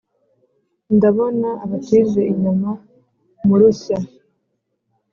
ndabona abatize inyama murushya!"